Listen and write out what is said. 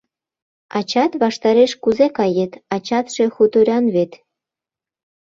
— Ачат ваштараш кузе кает, ачатше хуторян вет.